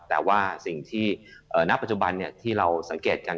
แต่ว่าสิ่งที่ณปัจจุบันที่เราสังเกตกัน